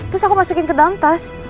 terus aku masukin ke dalam tas